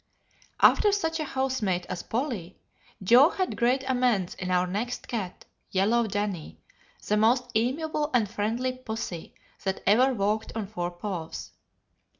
"After such a house mate as Polly, Joe had great amends in our next cat, yellow Danny, the most amiable and friendly pussy that ever walked on four paws.